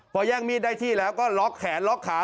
พอแย่งมีดได้ที่แล้วก็ล็อกแขนล็อกขา